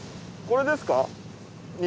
これですか？